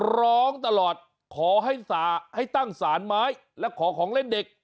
ร้องตลอดขอให้ตั้งสารไม้และขอของเล่นเด็ก